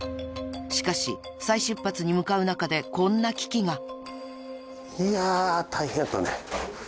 ［しかし再出発に向かう中でこんな危機が］いや。